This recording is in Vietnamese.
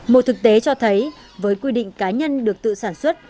một thực tế cho thấy với quy định cá nhân được tự sản xuất